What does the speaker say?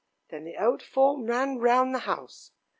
Then the old form ran round the house.